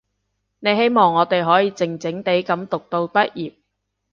你希望我哋可以靜靜地噉讀到畢業